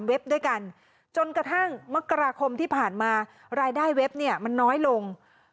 ด้วยกันจนกระทั่งมกราคมที่ผ่านมารายได้เว็บเนี่ยมันน้อยลง